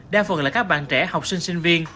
đa phần là các bạn trẻ học sinh sinh viên